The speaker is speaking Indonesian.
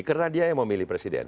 karena dia yang mau milih presiden